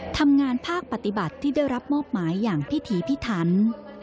ทำงานภาคปฏิบัติที่ได้รับมอบหมายอย่างพิถีพิถัน